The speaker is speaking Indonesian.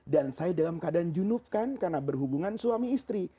dan saya dalam keadaan junub kan karena berhubungan suami istri